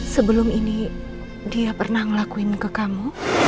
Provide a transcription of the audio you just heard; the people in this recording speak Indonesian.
sebelum ini dia pernah ngelakuin ke kamu